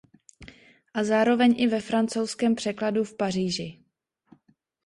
A zároveň i ve francouzském překladu v Paříži.